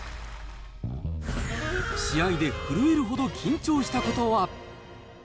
試合で震えるほど緊張したことは？